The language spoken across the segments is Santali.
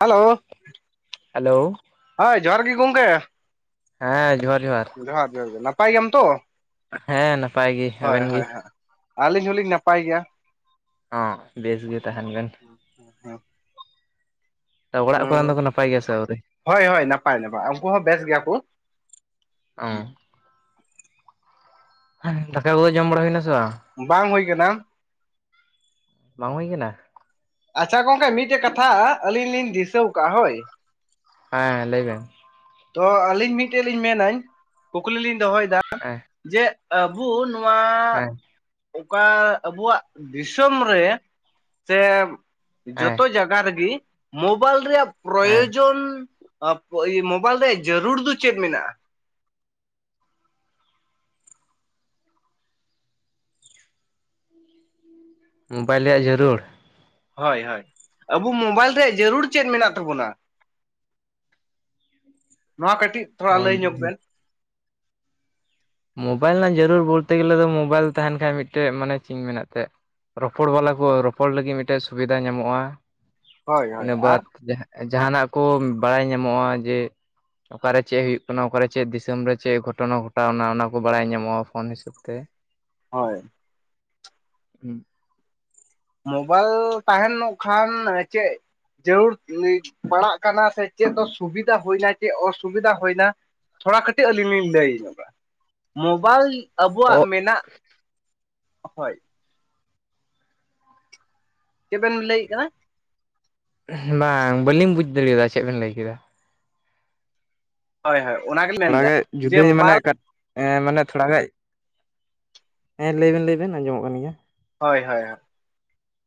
ᱦᱮᱞᱳ ᱦᱮᱞᱳ ᱦᱮᱭ ᱡᱚᱦᱟᱨ ᱜᱮ ᱜᱚᱝᱠᱮ! ᱦᱮᱸ ᱡᱚᱦᱟᱨ ᱡᱚᱦᱟᱨ᱾ ᱡᱚᱦᱟᱨ ᱡᱚᱦᱟᱨ᱾ ᱱᱟᱯᱟᱭ ᱜᱮᱭᱟᱢ ᱛᱚ? ᱦᱮᱸ ᱱᱟᱯᱟᱭ ᱜᱮ ᱟᱵᱮᱱ ᱜᱮ? ᱟᱞᱤᱧ ᱦᱚᱸᱞᱤᱧ ᱱᱟᱯᱟᱭ ᱜᱮᱭᱼᱟ᱾ ᱦᱚᱸ ᱵᱮᱥ ᱜᱮ ᱛᱟᱦᱮᱱ ᱵᱮᱱ᱾ ᱛᱚ ᱚᱲᱟᱜ ᱠᱚᱨᱮᱱ ᱫᱚᱠᱚ ᱱᱟᱯᱟᱭ ᱜᱮᱭᱟ ᱥᱮ ᱟᱹᱣᱨᱤ? ᱦᱚᱭ ᱦᱚᱭ ᱱᱟᱯᱟᱭ ᱱᱟᱯᱟᱭ ᱩᱱᱠᱩ ᱦᱚᱸ ᱵᱮᱥ ᱜᱮᱭᱟ ᱠᱩ᱾ ᱚᱻᱻ᱾ ᱦᱮᱸ ᱫᱟᱠᱟ ᱠᱚᱫᱚ ᱡᱚᱢ ᱵᱟᱲᱟ ᱦᱩᱭᱱᱟ ᱥᱮ ᱵᱟᱝ? ᱵᱟᱝ ᱦᱩᱭ ᱠᱟᱱᱟ᱾ ᱵᱟᱝ ᱦᱩᱭ ᱠᱟᱱᱼᱟ᱾ ᱟᱪᱪᱷᱟ ᱜᱚᱝᱠᱮ ᱢᱤᱫᱴᱮᱡ ᱠᱟᱛᱷᱟ ᱟᱹᱞᱤᱧ ᱞᱤᱧ ᱫᱤᱥᱟᱹᱣ ᱟᱠᱟᱜᱼᱟ, ᱦᱳᱭ ᱦᱮᱸ ᱞᱟᱹᱭᱵᱮᱱ᱾ ᱛᱚ ᱟᱹᱞᱤᱧ ᱢᱤᱫᱴᱮᱱ ᱞᱤᱧ ᱢᱮᱱᱟᱹᱧ ᱠᱩᱠᱞᱤ ᱞᱤᱧ ᱫᱚᱦᱚᱭᱮᱫᱼᱟ, ᱮᱸ᱾ ᱡᱮᱜ ᱟᱵᱩ ᱱᱚᱣᱟ ᱚᱠᱟ ᱟᱵᱩᱣᱟᱜ ᱫᱤᱥᱟᱹᱢ ᱨᱮ ᱥᱮ ᱦᱮᱸ ᱡᱚᱛᱚ ᱡᱟ ᱜᱟ ᱨᱮᱜᱤ ᱢᱳᱵᱟᱭᱤᱞ ᱨᱮᱭᱟᱜ ᱦᱮᱸ ᱯᱨᱚᱭᱳᱡᱚᱱ ᱟᱵ ᱤᱭᱟᱹ ᱢᱳᱵ ᱵᱟᱭᱤᱞ ᱨᱮᱭᱟᱜ ᱡᱟᱹᱨᱩᱲ ᱫᱚ ᱪᱮᱫ ᱢᱮᱱᱟᱜᱼᱟ? ᱢᱳᱵᱟᱭᱤᱞ ᱨᱮᱭᱟᱜ ᱡᱟᱹᱨᱩᱲ? ᱦᱳᱭ ᱦᱳᱭ, ᱟᱵᱩ ᱢᱳᱵᱟᱭᱤᱞ ᱨᱮᱭᱟᱜ ᱡᱟᱹᱨᱩᱲ ᱪᱮᱫ ᱢᱮᱱᱟᱜ ᱛᱟᱵᱚᱱᱼᱟ? ᱱᱚᱣᱟ ᱠᱟᱹᱴᱤᱡ ᱛᱷᱚᱲᱟ ᱞᱟᱹᱭ ᱧᱚᱜ ᱵᱮᱱ᱾ ᱢᱳᱵᱟᱭᱤᱞ ᱨᱮᱱᱟᱜ ᱡᱟᱹᱨᱩᱲ ᱵᱚᱞᱛᱮ ᱜᱮᱞᱮ ᱫᱚ ᱢᱳᱵᱟᱭᱤᱞ ᱛᱟᱦᱮᱸᱱ ᱠᱷᱟᱱᱡ ᱢᱤᱫᱴᱮᱡ ᱢᱟᱱᱮ ᱪᱮᱫᱤᱧ ᱢᱮᱱᱮᱫ ᱛᱟᱦᱮᱸᱫ, ᱨᱚᱯᱚᱲ ᱵᱟᱞᱟ ᱠᱚ ᱨᱚᱯᱚᱲ ᱞᱟᱹᱜᱤᱫ ᱢᱤᱫᱴᱮᱡ ᱥᱩᱵᱤᱫᱟ ᱧᱟᱢᱚᱜᱼᱟ, ᱦᱳᱭ ᱦᱳᱭ ᱤᱱᱟᱹ ᱟᱨ ᱵᱟᱫ ᱡᱟᱦᱟᱸᱜ ᱡᱟᱦᱟᱸᱱᱟᱜ ᱠᱩ ᱵᱟᱲᱟᱭ ᱧᱟᱢᱚᱜᱼᱟ ᱡᱮ ᱚᱠᱟᱨᱮ ᱪᱮᱜ ᱦᱳᱭᱳᱜ ᱠᱟᱱᱟ ᱚᱠᱟᱨᱮ ᱪᱮᱫ ᱫᱤᱥᱟᱹᱢ ᱨᱮ ᱪᱮᱫ ᱜᱷᱚᱴᱚᱱᱟ ᱜᱷᱚᱴᱟᱣᱱᱟ ᱚᱱᱟ ᱠᱚ ᱵᱟᱲᱟᱭ ᱧᱟᱢᱚᱜᱼᱟ ᱯᱷᱳᱱ ᱦᱤᱥᱟᱹᱵ ᱛᱮ᱾ ᱦᱳᱭ᱾ ᱦᱩᱸ᱾ ᱢᱳᱵᱟᱭᱤᱞ ᱛᱟᱦᱮᱸᱱ ᱠᱷᱟᱱ ᱪᱮᱫ ᱡᱟᱹᱨᱩᱲ ᱯᱟᱲᱟᱜ ᱠᱟᱱᱟ ᱥᱮ ᱪᱮᱫ ᱫᱚ ᱥᱩᱵᱤᱫᱟ ᱦᱩᱭᱱᱟ ᱪᱮᱫ ᱚᱥᱩᱵᱤᱫᱟ ᱦᱩᱭᱱᱟ, ᱛᱷᱚᱲᱟ ᱠᱟᱹᱴᱤᱜ ᱟᱹᱞᱤᱧ ᱞᱤᱧ ᱞᱟᱹᱭ ᱧᱚᱜᱼᱟ, ᱢᱳᱵᱟᱭᱤᱞ ᱚ ᱟᱵᱩᱣᱟᱜ ᱢᱮᱱᱟᱜ ᱦᱳᱭ᱾ ᱪᱮᱵᱮᱱ ᱞᱟᱹᱭᱮᱫ ᱠᱟᱱᱟ? ᱵᱟᱝ ᱵᱟᱹᱞᱤᱧ ᱵᱩᱡ ᱫᱟᱲᱤᱭᱟᱫᱼᱟ ᱪᱮᱫ ᱵᱮᱱ ᱞᱟᱹᱭ ᱠᱮᱫᱟ᱾ ᱦᱳᱭ ᱦᱳᱭ, ᱚᱱᱟ ᱜᱮ ᱞᱤᱧ ᱛᱷᱚᱲᱟᱜᱮᱡ ᱡᱩᱫᱟᱹ ᱧᱚᱜ ᱢᱟᱱᱮ ᱠᱟᱴ ᱮᱸ ᱢᱟᱱᱮ ᱛᱷᱚᱲᱟ ᱜᱟᱡ ᱦᱮᱸ ᱞᱟᱹᱭ ᱵᱮᱱ ᱞᱟᱹᱭ ᱵᱮᱱ ᱟᱸᱢᱚᱢᱚᱜ ᱠᱟᱱ ᱜᱮᱭᱟ᱾ ᱦᱳᱭ ᱦᱳᱭ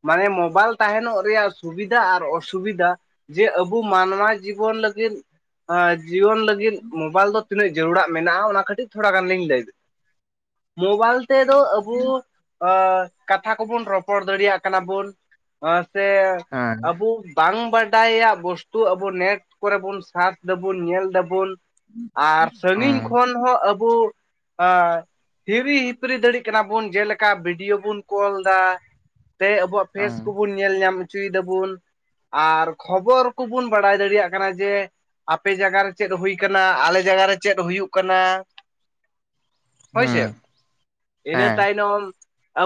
ᱢᱟᱱᱮ ᱢᱳᱵᱟᱭᱤᱞ ᱛᱟᱦᱮᱸᱱᱚᱜ ᱨᱮᱭᱟᱜ ᱥᱩᱵᱤᱫᱟ ᱟᱨ ᱚᱼᱥᱩᱵᱤᱫᱟ ᱡᱮ ᱟᱵᱩ ᱢᱟᱱᱣᱼᱟ ᱡᱤᱵᱚᱱ ᱞᱟᱹᱜᱤᱫ ᱟᱸ ᱡᱤᱭᱚᱱ ᱞᱟᱹᱜᱤᱫ ᱢᱳᱵᱟᱭᱤᱞ ᱫᱚ ᱛᱤᱱᱟᱹᱜ ᱡᱟᱹᱨᱩᱲᱟᱜ ᱢᱮᱱᱟᱜᱼᱟ ᱚᱱᱟ ᱠᱷᱟᱹᱴᱤᱡ ᱛᱷᱚᱲ ᱜᱟᱱ ᱞᱤᱧ ᱞᱟᱹᱭᱫᱟ ᱢᱳᱵᱟᱭᱤᱞ ᱛᱮᱫᱚ ᱟᱵᱩ ᱟᱹ ᱠᱟᱛᱷᱟ ᱠᱚᱵᱩᱱ ᱨᱚᱯᱚᱲ ᱫᱟᱲᱤᱭᱟᱜ ᱠᱟᱱᱟ ᱵᱩᱱ ᱟᱹ ᱥᱮ ᱦᱮᱸ ᱟᱵᱩ ᱵᱟᱝ ᱵᱟᱰᱟᱭᱟᱜ ᱵᱚᱥᱛᱩ ᱟᱹᱵᱩ ᱱᱮᱴ ᱠᱚᱨᱮ ᱵᱩᱱ ᱥᱟᱨᱪ ᱫᱟᱵᱩᱱ ᱧᱮᱞ ᱫᱟᱹᱵᱩᱱ, ᱟᱨ ᱥᱟᱺᱜᱤᱧ ᱦᱮᱸ ᱠᱷᱚᱱ ᱦᱚᱸ ᱟᱹ ᱵᱩ ᱟᱹ ᱦᱤᱨᱤ ᱦᱤᱯᱤᱨᱤ ᱫᱟᱲᱤᱜ ᱠᱟᱱᱟ ᱵᱩᱱ ᱡᱮᱞᱮᱠᱟ ᱵᱤᱰᱤᱭᱳ ᱵᱩᱱ ᱠᱚᱞ ᱫᱟ ᱛᱮ ᱟᱵᱚᱣᱟᱜ ᱯᱷᱮᱥ ᱦᱮᱸ ᱠᱚᱵᱩᱱ ᱧᱮᱞ ᱧᱟᱢ ᱦᱚᱪᱚᱭ ᱫᱟᱹᱵᱩᱱ᱾ ᱟᱨ ᱠᱷᱚᱵᱚᱨ ᱠᱚᱵᱩᱱ ᱵᱟᱲᱟᱭ ᱫᱟᱲᱮᱭᱟᱜ ᱠᱟᱱᱟ ᱡᱮ ᱟᱯᱮ ᱡᱟᱜᱟ ᱨᱮ ᱪᱮᱫ ᱦᱩᱭ ᱠᱟᱱᱟ, ᱟᱞᱮ ᱡᱟᱜᱟ ᱨᱮ ᱪᱮᱫ ᱦᱩᱭᱩᱜ ᱠᱟᱱᱟ, ᱦᱳᱭ ᱥᱮ ᱤᱱᱟᱹ ᱦᱮᱸ ᱛᱟᱭᱱᱚᱢ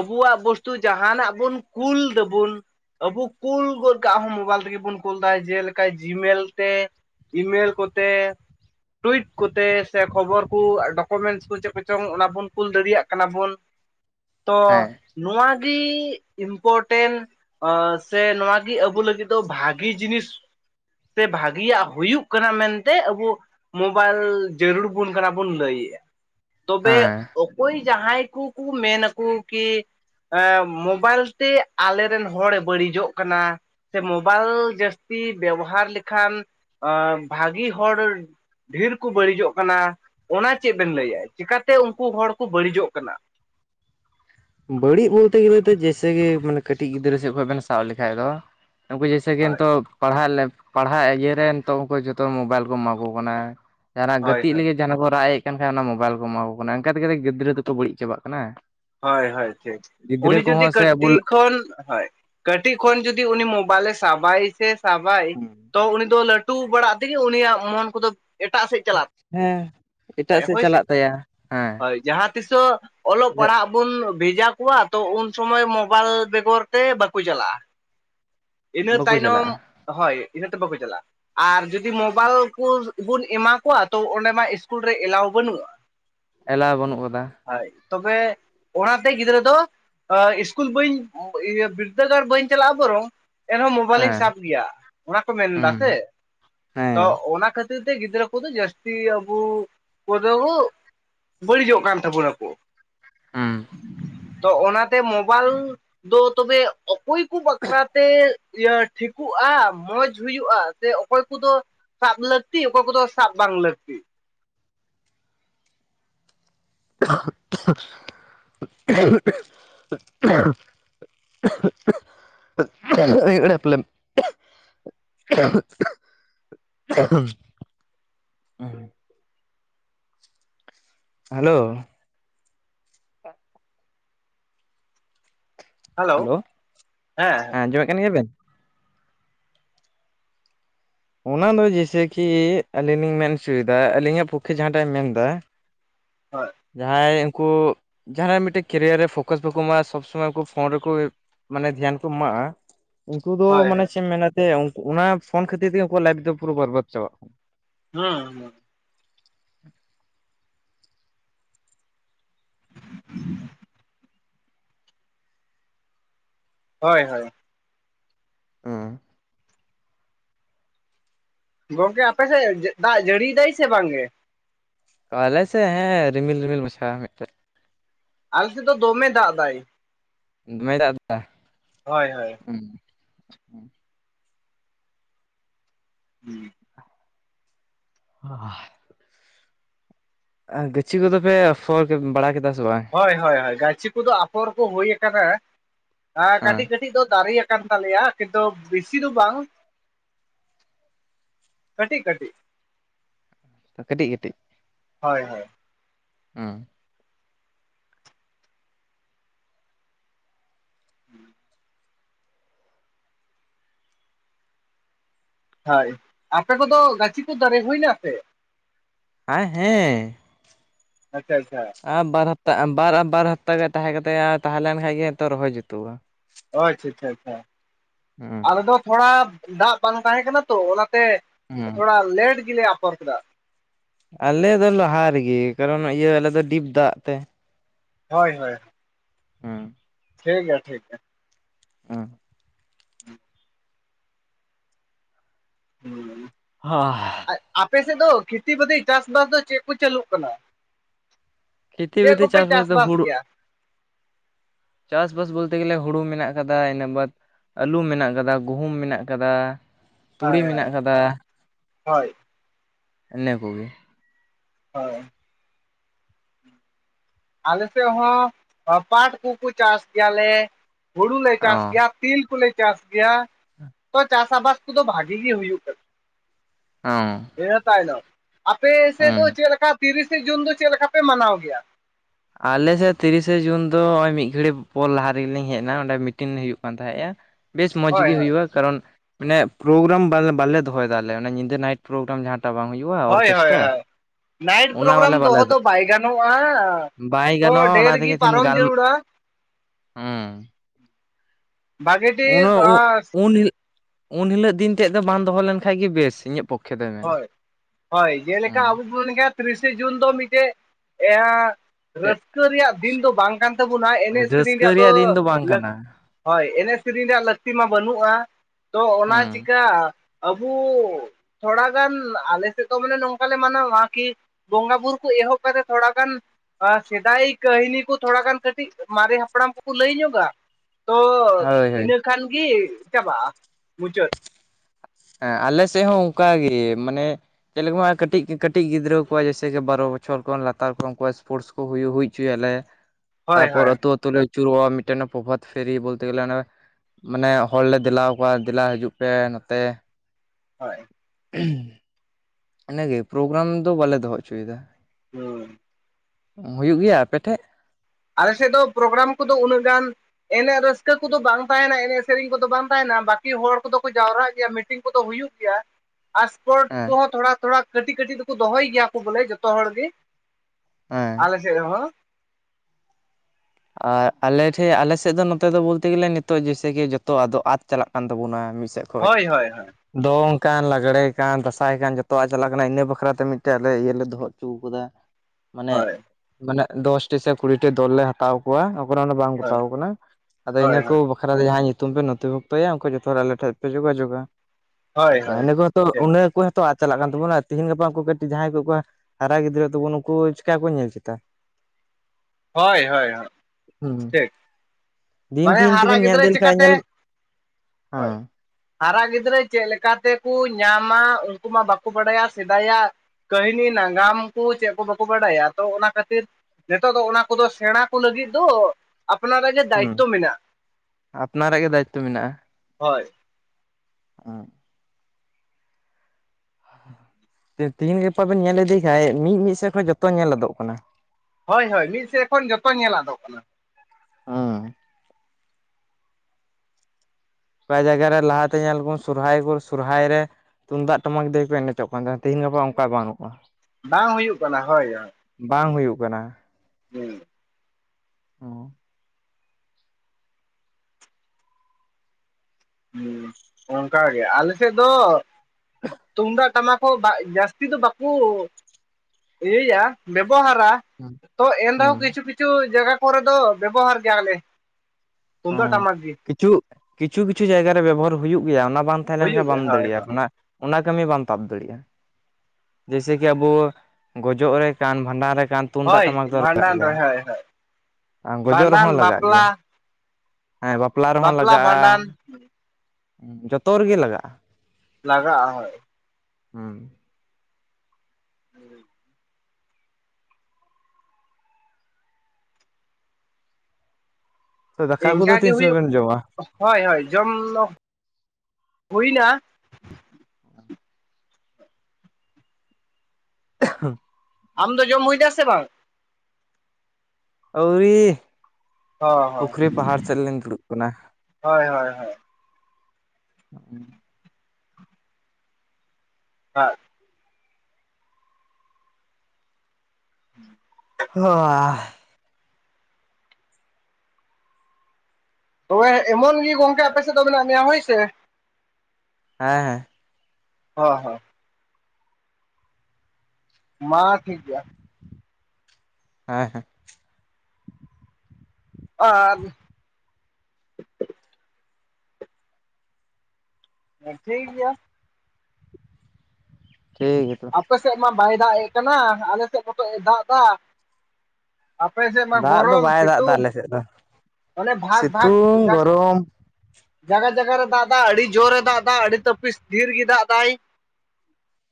ᱵᱩᱣᱟᱜ ᱵᱚᱥᱛᱩ ᱡᱟᱦᱟᱸᱱᱟᱜ ᱵᱩᱱ ᱠᱩᱞ ᱫᱟᱵᱩᱱ ᱟᱵᱩ ᱠᱩᱞ ᱜᱚᱫ ᱠᱟᱜ ᱦᱚᱸ ᱢᱳᱵᱟᱭᱤᱞ ᱛᱮ ᱜᱮ ᱵᱚᱱ ᱠᱩᱞ ᱫᱟ ᱡᱮᱞᱮᱠᱟ ᱡᱤᱢᱮᱞ ᱛᱮ, ᱤᱢᱮᱞ ᱠᱚᱛᱮ, ᱴᱩᱭᱤᱴ ᱠᱚᱛᱮ, ᱥᱮ ᱠᱷᱚᱵᱚᱨ ᱠᱩ ᱰᱚᱠᱚᱢᱮᱱᱥ ᱱᱤᱛᱳᱜ ᱪᱮᱫ ᱠᱚᱪᱚᱝ ᱚᱱᱟ ᱵᱚᱱ ᱠᱩᱞ ᱫᱟᱲᱮᱭᱟᱜ ᱠᱟᱱᱟ ᱵᱩᱱ, ᱛᱚ ᱦᱮᱸ ᱱᱚᱣᱟ ᱜᱤ ᱤᱢᱯᱚᱴᱮᱱᱴ ᱟᱸ ᱥᱮ ᱱᱚᱣᱟ ᱜᱤ ᱟᱵᱩ ᱞᱟᱹᱜᱤᱫ ᱫᱚ ᱵᱷᱟᱜᱤ ᱡᱤᱱᱤᱥ ᱥᱮ ᱵᱷᱟᱹᱜᱤ ᱭᱟᱜ ᱦᱩᱭᱩᱜ ᱠᱟᱱᱟ ᱢᱮᱱ ᱛᱮ, ᱟᱵᱩ ᱢᱳᱵᱟᱭᱤᱞ ᱡᱟᱹᱨᱩᱲ ᱵᱩᱱ ᱠᱟᱱᱟ ᱵᱚᱱ ᱞᱟᱹᱭᱮᱜᱼᱟ᱾ ᱛᱚᱵᱮ ᱦᱮᱸ ᱚᱠᱚᱭ ᱡᱟᱦᱟᱸᱭ ᱠᱩᱠᱩ ᱢᱮᱱ ᱟᱠᱩ ᱠᱤ ᱟᱸ ᱢᱳᱵᱟᱭᱤᱞ ᱛᱮ ᱟᱞᱮ ᱨᱮᱱ ᱦᱚᱲᱮ ᱵᱟᱹᱲᱤᱡᱚᱜ ᱠᱟᱱᱟ? ᱥᱮ ᱢᱳᱵᱟᱭᱤᱞ ᱡᱟᱹᱥᱛᱤ ᱵᱮᱵᱚᱦᱟᱨ ᱞᱮᱠᱷᱟᱱ ᱵᱷᱟᱹᱜᱤ ᱦᱚᱲ ᱰᱷᱤᱨ ᱠᱩ ᱵᱟᱹᱲᱤᱡᱚᱜ ᱠᱟᱱᱟ? ᱚᱱᱟ ᱪᱮᱫ ᱵᱮᱱ ᱞᱟᱹᱭᱟ ᱪᱤᱠᱟᱹᱛᱮ ᱩᱱᱠᱩ ᱦᱚᱲ ᱠᱩ ᱵᱟᱹᱲᱤᱡᱚᱜ ᱠᱟᱱᱟ? ᱵᱟᱹᱲᱤᱡ ᱵᱚᱞᱛᱮ ᱜᱤᱞᱮ ᱡᱮᱭᱥᱮ ᱠᱤ ᱢᱟᱱᱮ ᱠᱟᱹᱴᱤᱡ ᱜᱤᱫᱽᱨᱟᱹ ᱥᱮᱫ ᱠᱷᱚᱱ ᱵᱮᱱ ᱥᱟᱵᱽ ᱞᱮᱠᱷᱟᱡ ᱫᱚ ᱩᱱᱠᱩ ᱡᱮᱭᱥᱤ ᱜᱮ ᱦᱳᱭ ᱜᱮᱱᱛᱩᱜ ᱯᱟᱲᱦᱟᱜ ᱯᱟᱲᱦᱟᱜ ᱞᱟᱭᱮᱯ ᱤᱭᱟᱹ ᱨᱮ ᱱᱤᱛᱚᱜ ᱩᱱᱠᱩ ᱡᱚᱛᱚ ᱢᱳᱵᱟᱭᱤᱞ ᱠᱩ ᱮᱢᱟ ᱠᱩ ᱠᱟᱱᱟ᱾ ᱡᱟᱦᱟᱱᱟᱜ ᱦᱳᱭ ᱜᱟᱛᱤᱜ ᱦᱳᱭ ᱞᱟᱹᱜᱤᱫ ᱡᱟᱦᱟᱸᱱᱟᱜ ᱠᱩ ᱨᱟᱜ ᱮᱫ ᱠᱟᱱ ᱠᱷᱟᱱ, ᱚᱱᱟ ᱢᱳᱵᱟᱭᱤᱞ ᱠᱩ ᱮᱢᱟ ᱠᱚ ᱠᱟᱱᱟ᱾ ᱮᱱᱠᱟ ᱛᱮᱜᱮ ᱛᱚ ᱜᱤᱫᱽᱨᱟᱹ ᱫᱚ ᱠᱚ ᱵᱟᱹᱲᱤᱡ ᱪᱟᱵᱟᱜ ᱠᱟᱱᱟ᱾ ᱦᱳᱭ ᱦᱳᱭ ᱴᱷᱤᱠ ᱜᱤᱫᱽᱨᱟᱹ ᱩᱱᱤ ᱡᱩᱫᱤ ᱠᱚᱦᱚᱸ ᱥᱮ ᱟᱵᱚ ᱠᱟᱹᱴᱤ ᱠᱷᱚᱱ ᱠᱟᱹᱴᱤᱡ ᱠᱷᱚᱱ ᱡᱩᱫᱤ ᱩᱱᱤ ᱢᱳᱵᱟᱭᱤᱞ ᱥᱟᱵᱟᱭ ᱥᱮ ᱥᱟᱵᱟᱭ ᱛᱚ ᱩᱱᱤ ᱫᱚ ᱞᱟᱹᱴᱩ ᱵᱟᱲᱟᱜ ᱛᱤ ᱜᱮ ᱩᱱᱤᱭᱟᱜ ᱢᱚᱱ ᱠᱚ ᱫᱚ ᱦᱮᱸ ᱮᱴᱟᱜ ᱛᱟᱭᱟ ᱥᱮᱫ ᱦᱳᱭ ᱥᱮ ᱪᱟᱞᱟᱜ ᱛᱟᱭᱟ ᱦᱮᱸ᱿ ᱦᱳᱭ ᱡᱟᱦᱟᱸ ᱛᱤᱥᱳᱜ ᱚᱞᱚᱜ ᱯᱟᱲᱦᱟᱯ ᱵᱩᱱ ᱵᱷᱮᱡᱟ ᱠᱩᱣᱟ᱾ ᱛᱚ ᱩᱱ ᱥᱚᱢᱚᱭ ᱢᱳᱵᱟᱭᱤᱞ ᱵᱮᱜᱚᱨ ᱛᱮ ᱵᱟᱠᱩ ᱪᱟᱞᱟᱜᱼᱟ᱾ ᱤᱱᱟᱹ ᱵᱟᱠᱚ ᱛᱟᱭᱱᱚᱢ ᱪᱟᱞᱟᱜᱼᱟ ᱦᱳᱭ ᱤᱱᱟᱹ ᱛᱮ ᱵᱟᱠᱩ ᱪᱟᱞᱟᱜᱼᱟ ᱟᱨ ᱡᱩᱫᱤ ᱢᱳᱵᱟᱭᱤᱞ ᱠᱩ ᱥᱮ ᱵᱩᱱ ᱮᱢᱟ ᱠᱚᱣᱟ ᱛᱚ, ᱚᱸᱰᱮ ᱢᱟ ᱤᱥᱠᱩᱞ ᱨᱮ ᱮᱞᱟᱣ ᱵᱟᱹᱱᱩᱜᱼᱟ᱾ ᱮᱞᱟᱣ ᱵᱟᱹᱱᱩᱜ ᱟᱠᱟᱫᱟ᱾ ᱦᱳᱭ ᱛᱚᱵᱮ ᱚᱱᱟ ᱛᱮ ᱜᱤᱫᱽᱨᱟᱹ ᱫᱚ ᱟᱹ ᱤᱥᱠᱩᱞ ᱵᱟᱹᱧ ᱤᱭᱟᱹ ᱵᱤᱨᱫᱟᱹᱜᱟᱲ ᱵᱟᱹᱧ ᱪᱟᱞᱟᱜᱼᱟ, ᱵᱚᱨᱚᱝ ᱮᱱᱨᱮᱦᱚᱸ ᱢᱳᱵᱟᱭᱤᱞ ᱤᱧ ᱦᱮᱸ ᱥᱟᱵ ᱜᱮᱭᱟ᱾ ᱚᱱᱟ ᱠᱚ ᱢᱮᱱᱫᱟ ᱦᱩᱸ ᱥᱮ ᱛᱚ ᱦᱮᱸ ᱚᱱᱟ ᱠᱷᱟᱹᱛᱤᱨ ᱜᱤᱫᱽᱨᱟᱹ ᱠᱚ ᱫᱚ ᱡᱟᱹᱥᱛᱤ ᱟᱵᱩ ᱠᱚ ᱫᱚᱵᱩ ᱵᱟᱹᱲᱤᱡᱚᱜ ᱠᱟᱱ ᱛᱟᱵᱩᱱᱟᱠᱩ᱾ ᱦᱩᱸ᱾ ᱛᱚ ᱚᱱᱟᱛᱮ ᱢᱳᱵᱟᱭᱤᱞ ᱫᱚ ᱛᱚᱵᱚ ᱚᱠᱚᱭ ᱠᱩ ᱵᱟᱠᱷᱨᱟ ᱤᱭᱟᱹ ᱭᱟ ᱴᱷᱤᱠᱩᱜᱼᱟ᱾ ᱢᱚᱸᱡᱽ ᱦᱩᱭᱩᱜᱼᱟ ᱥᱮ ᱚᱠᱚᱭ ᱠᱩᱫᱚ ᱥᱟᱵ ᱞᱟᱹᱠᱛᱤ ᱚᱠᱚᱭ ᱠᱚᱫᱚ ᱥᱟᱵ ᱵᱟᱝ ᱞᱟᱹᱠᱛᱤ? [inaudible] ᱮᱠᱞᱟ [unintelligible] [inaudible] ᱦᱮᱞᱳ᱾ ᱦᱮᱞᱳ ᱦᱮᱸ ᱟᱸᱡᱚᱢᱼᱮᱫ ᱠᱟᱱ ᱜᱮᱭᱟ ᱵᱮᱱ? ᱚᱱᱟ ᱫᱚ ᱡᱮᱭᱥᱮ ᱠᱤ ᱟᱹᱞᱤᱧ ᱞᱤᱧ ᱢᱮᱱ ᱚᱪᱩᱭ ᱮᱫᱟ, ᱟᱹᱞᱤᱧᱟᱜ ᱯᱩᱠᱷᱮ ᱡᱟᱦᱟᱸᱴᱟᱜ ᱢᱮᱱ ᱦᱚᱪᱚᱭ ᱮᱫᱟ ᱦᱳᱭ, ᱡᱟᱦᱟᱸᱭ ᱩᱱᱠᱩ ᱡᱟᱦᱟᱸᱱᱟᱜ ᱢᱤᱫᱴᱮᱱ ᱠᱮᱨᱤᱭᱟᱨ ᱨᱮ ᱯᱷᱳᱠᱟᱥ ᱵᱟᱠᱩ ᱮᱢᱟᱜᱼᱟ᱾ ᱥᱚᱵᱽ ᱥᱚᱢᱚᱭ ᱩᱱᱠᱩ ᱯᱷᱳᱱ ᱨᱮ ᱠᱩ ᱢᱟᱱᱮ ᱫᱷᱮᱭᱟᱱ ᱠᱚ ᱮᱢᱟᱜᱼᱟ᱾ ᱩᱱᱠᱩ ᱫᱚ ᱦᱳᱭ ᱢᱟᱱᱮ ᱦᱳᱭ ᱪᱮᱫ ᱮᱢ ᱢᱮᱱᱟ ᱛᱮ ᱚᱱᱟ ᱯᱷᱳᱱ ᱠᱷᱟᱹᱛᱤᱨ ᱛᱮ ᱩᱱᱠᱩᱣᱟᱜ ᱞᱟᱭᱤᱯᱷ ᱫᱚ ᱯᱩᱨᱟᱹ ᱵᱚᱨᱵᱟᱫ ᱪᱟᱵᱟᱜ ᱠᱟᱱᱟ᱾ ᱦᱩᱸ᱾ [inaudible] ᱦᱳᱭ ᱦᱳᱭ᱾ ᱦᱚᱸ᱾ ᱜᱚᱝᱠᱮ ᱟᱯᱮᱥᱮᱫ ᱫᱟᱜ ᱡᱟᱹᱲᱤᱭ ᱫᱟᱭ ᱥᱮ ᱵᱟᱝ ᱜᱮ? ᱚ ᱟᱞᱮ ᱥᱮᱫ ᱦᱮᱸ ᱨᱤᱢᱤᱞ ᱨᱤᱢᱤᱞ ᱢᱟᱪᱷᱟ ᱢᱤᱫᱴᱮᱱ ᱟᱞᱮ ᱥᱮᱫ ᱫᱚᱢᱮ ᱫᱟᱜ ᱮ ᱫᱟᱭ᱾ ᱫᱚᱢᱮ ᱫᱟᱜ ᱮᱫᱟ? ᱦᱳᱭ ᱦᱳᱭ ᱦᱩᱸ ᱦᱩᱸ ᱦ [inaudible] ᱜᱟᱹᱪᱷᱤ ᱠᱚᱫᱚ ᱯᱮ ᱟᱯᱷᱚᱨ ᱵᱟᱲᱟ ᱠᱮᱫᱟ ᱥᱮ ᱵᱟᱝ? ᱦᱳᱭ ᱦᱳᱭ ᱦᱳᱭ ᱜᱟᱪᱷᱤ ᱠᱚᱫᱚ ᱟᱯᱷᱚᱨ ᱠᱚ ᱦᱩᱭ ᱟᱠᱟᱱᱟ ᱠᱟᱹᱴᱤᱡ ᱦᱮᱸ ᱠᱟᱹᱴᱤᱡᱼᱼ ᱠᱟᱹᱴᱤᱡ ᱫᱚ ᱫᱟᱨᱮ ᱟᱠᱟᱱ ᱛᱟᱞᱮᱭᱟ ᱠᱤᱱᱛᱩ ᱵᱮᱥᱤ ᱫᱚ ᱵᱟᱝᱼᱼ ᱠᱟᱹᱴᱤᱡ ᱠᱟᱹᱴᱤᱡ᱾ ᱠᱟᱹᱴᱤᱡ ᱠᱟᱹᱴᱤᱡ ᱦᱳᱭ ᱦᱳᱭ᱾ ᱦᱩᱸ ᱦᱮᱸ [inaudible] ᱦᱳᱭ ᱟᱯᱮ ᱠᱚᱫᱚ ᱜᱟᱪᱷᱤ ᱠᱚ ᱫᱟᱨᱮ ᱦᱩᱭᱱᱟ ᱥᱮ? ᱦᱮ ᱦᱮᱸ ᱟᱪᱪᱷᱟ ᱟᱪᱪᱷᱟ᱾ ᱟᱨ ᱵᱟᱨ ᱦᱟᱯᱛᱟ ᱵᱟᱨ ᱵᱟᱨ ᱦᱟᱯᱛᱟ ᱛᱟᱦᱮᱸ ᱠᱟᱛᱮ ᱛᱟᱦᱮᱸ ᱞᱮᱱ ᱠᱷᱟᱡ ᱜᱮᱛᱚ ᱨᱚᱦᱚᱭ ᱡᱩᱛᱩᱜᱼᱟ᱾ ᱚᱪᱪᱷᱟ ᱟᱪᱪᱷᱟ ᱟᱪᱷᱟ ᱦᱩᱸ ᱟᱫᱚ ᱛᱷᱚᱲᱟ ᱫᱟᱜ ᱵᱟᱝ ᱛᱟᱦᱮᱸ ᱠᱟᱱᱟ ᱛᱚ ᱚᱱᱟᱛᱮ ᱦᱩᱸ ᱛᱷᱚᱲᱟ ᱞᱮᱴ ᱜᱮᱞᱮ ᱟᱯᱷᱚᱨ ᱠᱮᱫᱟ᱾ ᱟᱞᱮ ᱫᱚ ᱞᱟᱦᱟ ᱨᱮᱜᱮ ᱠᱟᱨᱚᱱ ᱤᱭᱟᱹ ᱟᱞᱮᱫᱚ ᱰᱤᱯ ᱫᱟᱜ ᱛᱮᱼᱼ ᱦᱳᱭ ᱦᱳᱭ᱾ ᱦᱩᱸ ᱴᱷᱤᱠ ᱜᱮᱭᱟ ᱴᱷᱤᱠ ᱜᱮᱭᱟ᱾ ᱦᱩᱸ ᱦᱮᱸ [inaudible] ᱦᱸ [inaudible] ᱟᱯᱮᱥᱮᱫ ᱫᱚ ᱠᱷᱮᱛᱤ ᱵᱟᱹᱛᱤ ᱪᱟᱥᱵᱟᱥ ᱫᱚ ᱪᱮᱫ ᱠᱚ ᱪᱟᱹᱞᱩᱜ ᱠᱟᱱᱟ? ᱠᱷᱮᱛᱤ ᱪᱮᱫ ᱵᱤᱛᱤ ᱠᱚᱯᱮ ᱪᱟᱥᱵᱟᱥ ᱪᱟᱥ ᱫᱚ ᱵᱟᱥ ᱦᱩᱲᱩ ᱜᱮᱭᱟ? ᱪᱟᱥᱵᱟᱥ ᱵᱚᱞᱛᱮ ᱜᱮᱞᱮ ᱦᱩᱲᱩ ᱢᱮᱱᱟᱜ ᱠᱟᱫᱟ ᱤᱱᱟᱹ ᱵᱟᱫᱼᱼ ᱟᱹᱞᱩ ᱢᱮᱱᱟᱜ ᱟᱠᱟᱫᱟ ᱜᱩᱦᱩᱢ ᱢᱮᱱᱟᱜ ᱟᱠᱟᱫᱟ᱾ ᱦᱳᱭ ᱛᱩᱲᱤ ᱢᱮᱱᱟᱜ ᱦᱳᱭ ᱟᱠᱟᱫᱟ ᱦᱳᱭ ᱤᱱᱟᱹ ᱠᱚᱜᱮ᱾ ᱦᱳᱭ ᱟᱞᱮ ᱥᱮᱫ ᱦᱚᱸ ᱯᱟᱴ ᱠᱩᱠᱩ ᱪᱟᱥ ᱜᱮᱭᱟᱞᱮ ᱦᱩᱲᱩ ᱞᱮ ᱪᱟᱥ ᱚ ᱜᱮᱭᱟ᱾ ᱛᱤᱞ ᱠᱚᱞᱮ ᱪᱟᱥ ᱜᱮᱭᱟ ᱛᱚ ᱪᱟᱥ ᱟᱵᱟᱫ ᱠᱚᱫᱚ ᱵᱷᱟᱜᱮ ᱜᱮ ᱦᱩᱭᱩᱜ ᱛᱟᱠᱩᱼᱼ ᱦ [inaudible] ᱤᱱᱟᱹ ᱛᱟᱭᱱᱚᱢ ᱟᱯᱮ ᱥᱮᱫ ᱫᱚ ᱪᱮᱫ ᱞᱮᱠᱟ ᱛᱤᱨᱤᱥᱮ ᱡᱩᱱ ᱫᱚ ᱪᱮᱫ ᱞᱮᱠᱟ ᱯᱮ ᱢᱟᱱᱟᱣ ᱜᱮᱭᱟ? ᱟᱞᱮᱥᱮᱫ ᱛᱤᱨᱤᱥᱮ ᱡᱩᱱ ᱫᱚ ᱱᱚᱜᱚᱭ ᱢᱤᱫ ᱜᱷᱟᱹᱲᱤᱡ ᱯᱚᱨ ᱞᱟᱦᱟ ᱨᱮᱜᱮᱞᱤᱧ ᱦᱮᱡ ᱮᱱᱟ ᱚᱸᱰᱮ ᱢᱤᱴᱤᱝ ᱦᱩᱭᱩᱜ ᱠᱟᱱ ᱛᱟᱦᱮᱫᱼᱟ᱾ ᱵᱮᱥ ᱢᱚᱸᱡᱽ ᱦᱳᱭ ᱜᱮ ᱦᱳᱭ ᱦᱩᱭᱩᱜᱼᱟ ᱠᱟᱨᱚᱱ ᱢᱟᱱᱮ ᱯᱨᱳᱜᱨᱟᱢ ᱵᱟᱞᱮ ᱵᱟᱞᱮ ᱫᱚᱦᱚᱭᱮᱫᱟ ᱟᱞᱮ ᱚᱱᱟ ᱧᱤᱫᱟᱹ ᱱᱟᱭᱤᱴ ᱯᱨᱳᱜᱨᱟᱢ ᱡᱟᱦᱟᱸᱴᱟᱜᱼᱼ ᱴᱟ ᱵᱟᱝ ᱦᱩᱭᱩᱜᱼᱟ᱾ ᱦᱳᱭ ᱦᱳᱭ ᱚᱨᱠᱮᱥᱴᱟᱨ ᱦᱳᱭ ᱱᱟᱭᱤᱴ ᱚᱱᱟ ᱯᱨᱳᱜᱨᱟᱢ ᱵᱟᱞᱮ ᱵᱟᱞᱮ ᱫᱚᱦᱚ ᱫᱚ ᱵᱟᱭ ᱜᱟᱱᱚᱜᱼᱟ᱾ ᱵᱟᱭ ᱛᱚ ᱜᱟᱱᱚᱜᱼᱟ ᱰᱷᱮᱨ ᱚᱱᱟ ᱛᱮᱜᱮ ᱜᱮ ᱛᱤᱱ ᱯᱟᱨᱚᱢ ᱜᱟᱞ ᱡᱟᱹᱨᱩᱲᱟ ᱦᱩᱸ, ᱵᱷᱟᱜᱤ ᱴᱷᱤᱠ ᱩᱱᱟᱹᱜ ᱩᱱ ᱦᱤᱞ ᱩᱱ ᱦᱤᱞᱳᱜ ᱫᱤᱱ ᱛᱮᱫ ᱫᱚ ᱵᱟᱝ ᱫᱚᱦᱚ ᱞᱮᱱᱠᱷᱟᱡ ᱜᱮ ᱵᱮᱥ ᱤᱧᱟᱹᱜ ᱯᱚᱠᱠᱷᱮ ᱫᱚᱭ ᱢᱮᱱᱟ ᱦᱳᱭ ᱦᱳᱭ ᱡᱮᱞᱮᱠᱟ ᱦᱩᱸ ᱟᱵᱚ ᱵᱚᱱ ᱢᱮᱱ ᱜᱮᱭᱟ ᱛᱤᱨᱤᱥᱮ ᱡᱩᱱ ᱫᱚ ᱢᱤᱫᱴᱮᱡᱼᱼ ᱨᱟᱹᱥᱠᱟᱹ ᱨᱮᱭᱟᱜ ᱫᱤᱱ ᱫᱚ ᱵᱟᱝ ᱠᱟᱱ ᱛᱟᱵᱚᱱᱟ ᱮᱱᱮᱡ ᱥᱮᱨᱮᱧ ᱨᱟᱹᱥᱠᱟᱹ ᱨᱮᱭᱟᱜ ᱫᱚ ᱫᱤᱱ ᱵᱟᱝ ᱞᱟᱹᱠᱛᱤᱼᱼ ᱠᱟᱱᱟ ᱦᱳᱭ ᱮᱱᱮᱡ ᱥᱮᱨᱮᱧ ᱨᱮᱭᱟᱜ ᱞᱟᱹᱠᱛᱤ ᱢᱟ ᱵᱟᱹᱱᱩᱜᱼᱟ ᱛᱚ ᱚᱱᱟ ᱦᱳᱭ ᱪᱤᱠᱟᱼᱼ ᱟᱵᱚ ᱛᱷᱚᱲᱟ ᱜᱟᱱ, ᱟᱞᱮ ᱥᱮᱫ ᱫᱚ ᱢᱟᱱᱮ ᱱᱚᱝᱠᱟ ᱞᱮ ᱢᱟᱱᱟᱣᱟ ᱟᱨᱠᱤ ᱵᱚᱸᱜᱟ ᱵᱩᱨᱩ ᱠᱚ ᱮᱦᱚᱵ ᱠᱟᱛᱮᱫ ᱛᱷᱚᱲᱟ ᱜᱟᱱ ᱟ ᱥᱮᱫᱟᱭ ᱠᱟᱹᱦᱤᱱᱤ ᱠᱚ ᱛᱷᱚᱲᱟ ᱜᱟᱱ ᱠᱟᱹᱴᱤᱡ ᱢᱟᱨᱮ ᱦᱟᱯᱲᱟᱢ ᱠᱚᱠᱚ ᱞᱟᱹᱭ ᱧᱚᱜᱼᱟ᱾ ᱛᱚ ᱦᱳᱭ ᱦᱮᱸ ᱤᱱᱟᱹ ᱠᱷᱟᱱ ᱜᱮ ᱪᱟᱵᱟᱜᱼᱟ, ᱢᱩᱪᱟᱹᱫ᱾ ᱦᱮᱸ ᱟᱞᱮ ᱥᱮᱫ ᱦᱚᱸ ᱚᱱᱠᱟ ᱜᱮ ᱢᱟᱱᱮ ᱪᱮᱫ ᱞᱮᱠᱟ ᱠᱟᱹᱴᱤᱡ ᱠᱟᱹᱴᱤᱡ ᱜᱤᱫᱽᱨᱟᱹ ᱠᱚᱣᱟᱜ ᱡᱮᱭᱥᱮ ᱠᱤ ᱵᱟᱨᱚ ᱵᱚᱪᱷᱚᱨ ᱠᱷᱚᱱ ᱞᱟᱛᱟᱨ ᱩᱱᱠᱩᱣᱟᱜ ᱥᱯᱳᱨᱴᱥ ᱠᱚ ᱦᱩᱭ ᱦᱩᱭ ᱦᱚᱪᱚᱭ ᱟᱞᱮ ᱦᱳᱭ ᱛᱟᱯᱚᱨ ᱦᱳᱭ ᱟᱹᱛᱩ ᱟᱹᱛᱩ ᱞᱮ ᱟᱪᱩᱨᱚᱜᱼᱟ᱾ ᱢᱤᱫᱴᱮᱱ ᱯᱨᱚᱵᱷᱟᱛ ᱯᱷᱮᱨᱤ ᱵᱚᱞᱛᱮ ᱜᱮᱞᱮ, ᱚᱱᱟ ᱢᱟᱱᱮ ᱦᱚᱲ ᱞᱮ ᱫᱮᱞᱟᱣ ᱟᱠᱚᱣᱟ ᱫᱮᱞᱟ ᱦᱤᱡᱩᱜ ᱯᱮ ᱱᱚᱛᱮ ᱦᱳᱭ᱾ [inaudible] ᱤᱱᱟ ᱜᱮ ᱯᱨᱳᱜᱨᱟᱢ ᱫᱚ ᱵᱟᱞᱮ ᱫᱚᱦᱚ ᱦᱚᱪᱚᱭ ᱮᱫᱟ᱾ ᱚᱸ᱾ ᱦᱩᱭᱩᱜ ᱜᱮᱭᱟ, ᱟᱯᱮ ᱴᱷᱮᱡ? ᱟᱞᱮᱥᱮᱫ ᱫᱚ ᱯᱨᱳᱜᱨᱟᱢ ᱠᱚᱫᱚ ᱩᱱᱟᱹᱜ ᱜᱟᱱ ᱮᱱᱮᱡ ᱨᱟᱹᱥᱠᱟᱹ ᱠᱚᱫᱚ ᱵᱟᱝ ᱛᱟᱦᱮᱱᱟ᱾ ᱮᱱᱮᱡ ᱥᱮᱨᱮᱧ ᱠᱚᱫᱚ ᱵᱟᱝ ᱛᱟᱦᱮᱱᱟ᱾ ᱵᱟᱹᱠᱤ ᱦᱚᱲ ᱠᱚᱫᱚ ᱠᱚ ᱡᱟᱣᱨᱟᱜ ᱜᱮᱭᱟ᱾ ᱢᱤᱫ ᱢᱤᱴᱤᱝ ᱠᱚᱫᱚ ᱦᱩᱭᱩᱜ ᱜᱮᱭᱟ᱾ ᱟᱨ ᱥᱯᱳᱨᱴᱥ ᱦᱮᱸ ᱠᱚᱦᱚᱸ ᱛᱷᱚᱲᱟ ᱛᱷᱚᱲᱟ ᱠᱟᱹᱴᱤᱡ ᱠᱟᱹᱴᱤᱡ ᱫᱚᱠᱚ ᱫᱚᱦᱚᱭ ᱜᱮᱭᱟ ᱠᱚ ᱵᱚᱞᱮ, ᱡᱚᱛᱚ ᱦᱚᱲ ᱜᱮ ᱦᱮᱸ ᱟᱞᱮ ᱥᱮᱫ ᱦᱚᱸ᱾ ᱟᱨ ᱟᱞᱮ ᱴᱷᱮᱡ ᱟᱞᱮᱥᱮᱫ ᱫᱚ ᱱᱚᱛᱮ ᱫᱚ ᱵᱚᱞᱛᱮ ᱜᱮᱞᱮ ᱱᱤᱛᱚᱜ ᱡᱮᱭᱥᱮ ᱠᱤ ᱡᱚᱛᱚ ᱟᱫ ᱟᱫ ᱪᱟᱞᱟᱜ ᱠᱟᱱ ᱛᱟᱵᱚᱱᱟ᱾ ᱢᱤᱫ ᱥᱮᱫ᱾ ᱠᱷᱚᱡ ᱦᱳᱭ ᱦᱳᱭ ᱦᱳᱭ ᱫᱚᱝ ᱠᱟᱱ, ᱞᱟᱜᱽᱲᱮ ᱠᱟᱱ, ᱫᱟᱸᱥᱟᱭ ᱠᱟᱱ, ᱡᱚᱛᱚᱣᱟᱜ ᱪᱟᱞᱟᱜ ᱠᱟᱱᱟ᱾ ᱤᱱᱟᱹ ᱵᱟᱠᱷᱟᱨᱟ ᱛᱮ ᱢᱤᱫᱴᱮᱡ ᱟᱞᱮ ᱤᱭᱟᱹ ᱞᱮ ᱫᱚᱦᱚ ᱦᱚᱪᱚ ᱟᱠᱟᱫᱟ᱾ ᱢᱟᱱᱮ ᱦᱳᱭ ᱢᱟᱱᱮ ᱫᱚᱥᱴᱤ ᱥᱮ ᱠᱩᱲᱤᱴᱤ ᱫᱚᱞ ᱞᱮ ᱦᱟᱛᱟᱣ ᱠᱚᱣᱟ᱾ ᱜᱚᱱᱚᱱᱟ ᱵᱟᱝ ᱦᱳᱭ ᱜᱚᱴᱟᱣ ᱠᱟᱱᱟ᱾ ᱟᱫᱚ ᱤᱱᱟᱹ ᱦᱳᱭ ᱠᱚ ᱵᱟᱠᱷᱨᱟ ᱡᱟᱦᱟᱸᱭ ᱧᱩᱛᱩᱢ ᱯᱮ ᱱᱚᱛᱤ ᱵᱷᱚᱠᱛᱚᱭᱟ ᱩᱱ ᱡᱚᱛᱚ ᱦᱚᱲ ᱟᱞᱮ ᱴᱷᱮᱱ ᱯᱮ ᱡᱳᱜᱟᱡᱳᱜᱟ᱾ ᱦᱳᱭ ᱦᱳᱭ ᱦᱳᱭ ᱤᱱᱟ ᱠᱚ ᱛᱚ ᱴᱷᱤᱠ ᱤᱱᱟᱹ ᱠᱚᱦᱚᱛᱚ ᱟᱫ ᱪᱟᱞᱟᱜ ᱠᱟᱱ ᱛᱟᱵᱚᱱᱟ᱾ ᱛᱤᱦᱤᱧ ᱜᱟᱯᱟ ᱩᱱᱠᱩ ᱠᱟᱹᱴᱤᱡ ᱡᱟᱦᱟᱸᱭ ᱠᱚᱣᱟ ᱦᱟᱨᱟ ᱜᱤᱫᱽᱨᱟᱹ ᱛᱟᱵᱩ ᱱᱩᱠᱩ ᱪᱤᱠᱟ ᱠᱚ ᱧᱮᱞ ᱪᱮᱫᱟ᱾ ᱦᱳᱭ ᱦᱳᱭ ᱦᱳᱭ᱾ ᱦᱮᱸ ᱴᱷᱤᱠ ᱫᱤᱱ ᱢᱟᱱᱮ ᱫᱤᱱ ᱛᱮᱵᱮᱱ ᱦᱟᱨᱟ ᱧᱮᱞ ᱜᱤᱫᱽᱨᱟᱹ ᱤᱫᱤ ᱞᱮᱠᱷᱟᱱ ᱪᱤᱠᱟᱛᱮ ᱧᱮᱞ ᱦᱳᱭ ᱦᱮᱸ ᱦᱟᱨᱟ ᱜᱤᱫᱽᱨᱟᱹ ᱪᱮᱫ ᱞᱮᱠᱟ ᱞᱮᱠᱟ ᱛᱮᱠᱚ ᱧᱟᱢᱟ᱾ ᱩᱱᱠᱩ ᱢᱟ ᱵᱟᱠᱚ ᱵᱟᱰᱟᱭᱟ᱾ ᱥᱮᱫᱟᱭᱟᱜ ᱠᱟᱹᱦᱱᱤ ᱱᱟᱜᱟᱢ ᱠᱚ ᱪᱮᱫ ᱠᱚ ᱵᱟᱠᱚ ᱵᱟᱰᱟᱭᱟ᱾ ᱛᱚ ᱚᱱᱟ ᱠᱷᱟᱹᱛᱤᱨ ᱱᱤᱛᱚᱜ ᱫᱚ ᱚᱱᱟ ᱠᱚᱫᱚ ᱥᱮᱬᱟ ᱠᱚ ᱞᱟᱹᱜᱤᱫ ᱫᱚ ᱟᱯᱱᱟᱨᱟᱜ ᱜᱮ ᱦᱩᱸ ᱫᱟᱭᱤᱛᱛᱚ᱾ ᱢᱮᱱᱟᱜᱼᱟ ᱟᱯᱱᱟᱨᱟᱜ ᱜᱮ ᱫᱟᱭᱤᱛᱛᱚ ᱢᱮᱱᱟᱜᱼᱟ᱾ ᱦᱳᱭ᱾ ᱦᱩᱸ᱾ ᱛᱤᱦᱤᱧ ᱜᱟᱯᱟ ᱵᱮᱱ ᱧᱮᱞ ᱤᱫᱤ ᱠᱷᱟᱡ ᱢᱤᱫ ᱢᱤᱫ ᱥᱮᱫ ᱠᱷᱚᱡ ᱡᱚᱛᱚ ᱧᱮᱞ ᱟᱫᱚᱜ ᱠᱟᱱᱟ᱾ ᱦᱳᱭ ᱦᱳᱭ ᱢᱤᱫ ᱥᱮᱫ ᱠᱷᱚᱱ ᱡᱚᱛᱚ ᱧᱮᱞ ᱟᱫᱚᱜ ᱠᱟᱱᱟ᱾ ᱦᱩᱸ᱾ ᱚᱠᱟ ᱡᱟᱭᱜᱟ ᱨᱮ ᱞᱟᱦᱟᱛᱮ ᱧᱮᱞᱵᱚᱱ ᱥᱚᱨᱦᱟᱭ, ᱥᱚᱨᱦᱟᱭ ᱨᱮ ᱛᱩᱢᱫᱟᱜ ᱴᱟᱢᱟᱠ ᱛᱮᱜᱮ ᱠᱚ ᱮᱱᱮᱡᱚᱜ ᱠᱟᱱ ᱛᱟᱦᱮᱸᱱᱟ᱾ ᱛᱮᱦᱤᱧ ᱜᱟᱯᱟ ᱚᱱᱠᱟ ᱵᱟᱹᱱᱩᱜᱼᱟ᱾ ᱵᱟᱝ ᱦᱩᱭᱩᱜ ᱠᱟᱱᱟ, ᱦᱳᱭ ᱦᱳᱭ᱾ ᱵᱟᱝ ᱦᱩᱭᱩᱜ ᱠᱟᱱᱟ᱾ ᱦᱩᱸ᱾ ᱦᱚᱸ᱾ ᱦᱮᱸ ᱚᱱᱠᱟ ᱜᱮ ᱟᱞᱮ ᱥᱮᱫ ᱫᱚ ᱛᱩᱢᱫᱟᱜ ᱴᱟᱢᱟᱠ ᱦᱚᱸ ᱡᱟᱹᱥᱛᱤ ᱫᱚ ᱵᱟᱠᱚ ᱤᱭᱟᱭ ᱭᱟ ᱵᱮᱵᱚᱦᱟᱨᱟ ᱛᱚ ᱮᱱ ᱨᱮᱦᱚ ᱠᱤᱪᱷᱩ ᱠᱤ ᱠᱤᱪᱷᱩ ᱡᱟᱜᱟ ᱠᱚᱨᱮ ᱫᱚ ᱵᱮᱵᱚᱦᱟᱨ ᱜᱮᱭᱟᱞᱮ, ᱛᱩᱢᱫᱟᱹᱜ ᱴᱟᱢᱟᱠ ᱜᱤ᱾ ᱠᱤᱪᱷᱩᱜ ᱠᱤᱪᱷᱩ ᱠᱤᱪᱷᱩ ᱡᱟᱭᱜᱟᱨᱮ ᱵᱮᱵᱚᱦᱟᱨ ᱦᱩᱭᱩᱜ ᱜᱮᱭᱟ ᱚᱱᱟ ᱵᱟᱝ ᱛᱟᱦᱮᱸ ᱞᱮᱱᱠᱷᱟᱱ ᱦᱩᱭᱩᱜ ᱵᱟᱢ ᱜᱮᱭᱟ ᱦᱳᱭ ᱦᱳᱭ ᱫᱟᱲᱮᱭᱟᱜᱼᱟ, ᱚᱱᱟ ᱚᱱᱟ ᱠᱟᱹᱢᱤ ᱵᱟᱢ ᱛᱟᱵ ᱫᱟᱲᱮᱭᱟᱜᱼᱟ᱾ ᱡᱮᱭᱥᱮᱠᱤ ᱟᱵᱚ ᱜᱚᱡᱚᱜ ᱨᱮ ᱠᱟᱱ ᱵᱷᱟᱰᱟᱱ ᱨᱮ ᱠᱟᱱ ᱛᱩᱢᱫᱟᱹᱜ ᱦᱳᱭ ᱴᱟᱢᱟᱠ ᱫᱚ ᱞᱟᱜᱟᱜ ᱵᱷᱟᱸᱰᱟᱱ ᱜᱮᱭᱟ, ᱨᱮ ᱦᱳᱭ ᱦᱳᱭ ᱟᱢ ᱜᱚᱡᱩᱜ ᱨᱮᱦᱚ ᱵᱷᱟᱸᱰᱟᱱ ᱞᱟᱜᱟᱜ ᱜᱮᱭᱟ᱾ ᱵᱟᱯᱞᱟ ᱦᱮ ᱵᱟᱯᱞᱟ ᱨᱮᱦᱚ ᱞᱟᱜᱟᱜᱼᱟ, ᱡᱷᱚᱛᱚ ᱨᱮᱜᱮ ᱞᱟᱜᱟᱜᱼᱟ᱾ ᱞᱟᱜᱟᱜ-ᱟ ᱦᱳᱭ᱾ ᱦᱩᱸ᱾ [inaudible] ᱛᱚ ᱫᱟᱠᱟ ᱠᱚᱫᱚ ᱤᱱᱠᱟ ᱜᱮ ᱛᱤᱱ ᱥᱚᱢᱚᱭ ᱦᱩᱭᱩᱜ ᱵᱮᱱ ᱡᱚᱢᱟ ᱦᱳᱭ ᱦᱳᱭ ᱡᱚᱢ ᱫᱚ ᱦᱩᱭᱱᱟ? [unintelligible] ᱟᱢᱫᱚ ᱡᱚᱢ ᱦᱩᱭ ᱫᱟ ᱥᱮ ᱵᱟᱝ? ᱟᱹᱣᱨᱤ᱾ ᱦᱚ ᱦᱚ ᱯᱩᱠᱷᱨᱤ ᱯᱟᱦᱟᱲ ᱥᱮᱫ ᱞᱤᱧ ᱫᱩᱲᱩᱵ ᱠᱟᱱᱟ ᱦᱳᱭ ᱦᱳᱭ ᱦᱳᱭ᱾ [inaudible] [unintelligible] [inaudible] [unintelligible] ᱛᱚᱵᱮ ᱮᱢᱚᱱ ᱜᱤ ᱜᱚᱝᱠᱮ ᱟᱯᱮ ᱥᱮᱫ ᱫᱚ ᱢᱮᱱᱟᱜ ᱢᱮᱭᱟ ᱦᱳᱭ ᱥᱮ, ᱦᱮᱸ ᱦᱮᱸ᱾ ᱦᱚ ᱦᱳᱭ᱾ ᱢᱟ ᱴᱷᱤᱠ ᱜᱮᱭᱟ᱾ ᱦᱮᱸ ᱦᱮᱸ᱾ ᱟᱨ ᱦᱮᱸ ᱴᱷᱤᱠ ᱜᱮᱭᱟ᱾ ᱴᱷᱤᱠ ᱜᱮ ᱟᱯᱮ ᱥᱮᱫ ᱢᱟ ᱵᱟᱭ ᱫᱟᱜ ᱮ ᱠᱟᱱᱟ, ᱟᱞᱮ ᱥᱮᱫ ᱢᱚᱛᱚᱡ ᱮ ᱫᱟᱜ ᱫᱟ, ᱟᱯᱮ ᱥᱮᱜ ᱢᱟ ᱫᱟᱜ ᱫᱚ ᱜᱟᱨᱚᱢ ᱵᱟᱭ ᱫᱟᱜ ᱮᱫᱟ ᱥᱤᱛᱩᱝ ᱟᱞᱮ ᱥᱮᱫ ᱫᱚ ᱚᱱᱮ ᱵᱷᱟᱜ ᱵᱷᱟᱜ ᱥᱤᱛᱩᱝ ᱡᱟᱜ ᱜᱚᱨᱚᱢ ᱡᱟᱜᱟ ᱡᱟᱜᱟ ᱨᱮ ᱫᱟᱜ ᱫᱟᱭ, ᱟᱰᱤ ᱡᱳᱨᱮ ᱫᱟᱜ ᱫᱟᱭ ᱟᱰᱤ ᱛᱟᱯᱤᱥ ᱰᱷᱤᱨ ᱜᱮ ᱫᱟᱜ ᱫᱟᱭ᱾